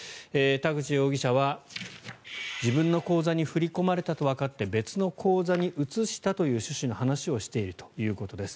田口容疑者は、自分の口座に振り込まれたとわかって別の口座に移したという趣旨の話をしているということです。